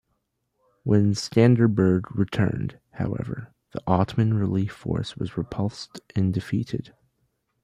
When Skanderbeg returned, however, the Ottoman relief force was repulsed and defeated.